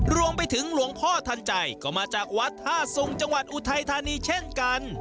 รวมไปถึงหลวงพ่อทันใจก็มาจากวัดท่าทรงจังหวัดอุทัยธานีเช่นกัน